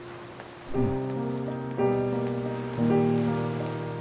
うん。